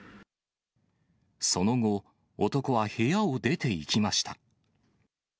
その後、男は部屋を出ていきました。